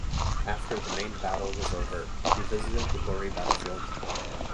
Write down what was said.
After the main battle was over, he visited the gory battlefield.